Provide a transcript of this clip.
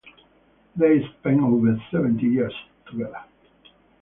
They spent over seventy years together.